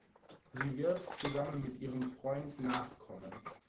Sie wird zusammen mit ihrem Freund nachkommen.